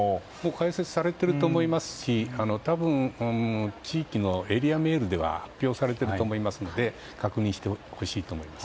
開設されていると思いますし地域のエリアメールでは発表されていると思うので確認してほしいと思います。